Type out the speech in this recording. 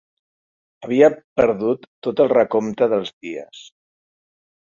Havia perdut tot el recompte dels dies.